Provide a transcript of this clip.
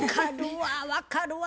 分かるわ。